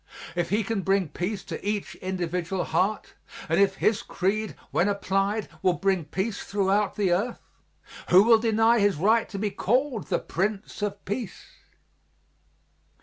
If he can bring peace to each individual heart, and if His creed when applied will bring peace throughout the earth, who will deny His right to be called the Prince of Peace?